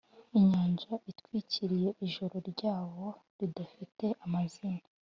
inyanja itwikiriye ijoro ryabo ridafite amazina;